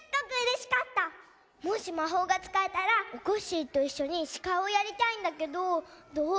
もしまほうがつかえたらおこっしぃといっしょにしかいをやりたいんだけどどう？